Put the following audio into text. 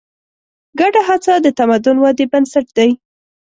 ګډه هڅه د تمدن ودې بنسټ دی.